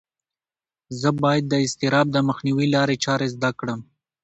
زه باید د اضطراب د مخنیوي لارې چارې زده کړم.